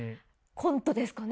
コントですかね？